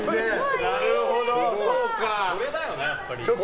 これだよね、やっぱり。